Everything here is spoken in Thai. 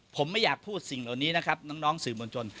ผมไม่อยากพูดสิ่งเหล่านี้นะครับน้องสื่อมวลชน